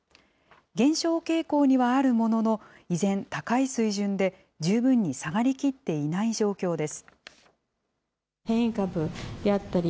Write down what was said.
減少傾向にはあるものの、依然、高い水準で、十分に下がりきっていない状況です。